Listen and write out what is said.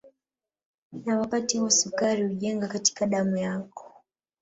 Na wakati huo sukari hujenga katika damu yako